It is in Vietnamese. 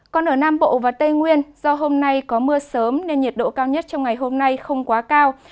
còn ở nam bộ và tây nguyên do hôm nay có mưa sớm nên nhiệt độ cao nhất trong ngày hôm nay không quá cao